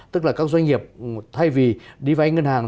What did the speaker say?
tức là các doanh nghiệp thay vì đi vay ngân hàng